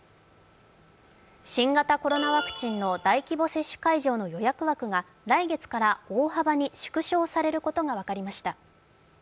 新型コロナワクチンの大規模接種会場の予約枠が来月から大幅に縮小されることが分かりました。